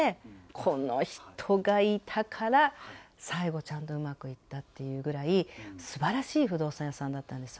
この人がいたから最後、ちゃんとうまくいったっていうぐらい、すばらしい不動産屋さんだったんですよ。